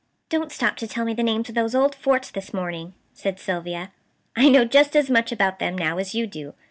"Don't stop to tell me the names of those old forts this morning," said Sylvia. "I know just as much about them now as you do.